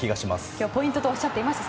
今日ポイントとおっしゃっていました